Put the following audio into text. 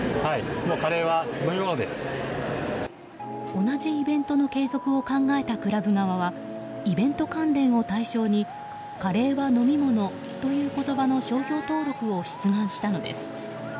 同じイベントの継続を考えたクラブ側はイベント関連を対象にカレーは飲み物という言葉の商標登録を出願したのです。